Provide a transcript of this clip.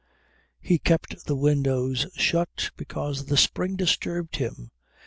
He kept the windows shut because the spring disturbed him.